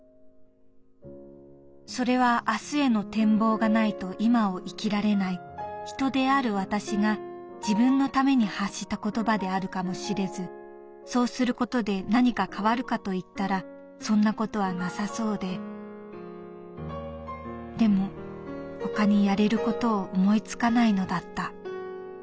「それは明日への展望がないと今を生きられない人である私が自分のために発した言葉であるかも知れずそうすることで何か変わるかといったらそんなことはなさそうででも他にやれることを思いつかないのだった」。